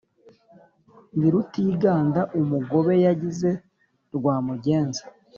Ndi Rutiganda umugobe yagize rwa mugenza